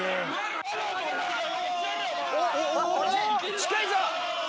近いぞ！